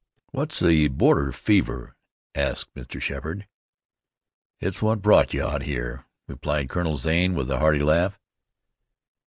"What's the border fever?" asked Mr. Sheppard. "It's what brought you out here," replied Colonel Zane with a hearty laugh.